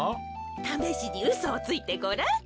ためしにうそをついてごらん。